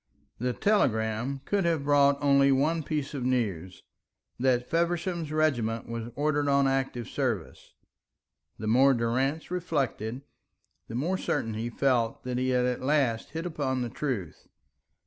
That telegram could have brought only one piece of news, that Feversham's regiment was ordered on active service. The more Durrance reflected, the more certain he felt that he had at last hit upon the truth.